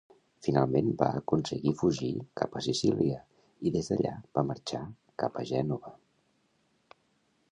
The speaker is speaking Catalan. Finalment va aconseguir fugir cap a Sicília i des d'allà va marxar capa a Gènova.